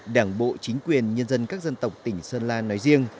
đảng bộ chính quyền nhân dân các dân tộc tỉnh sơn la nói riêng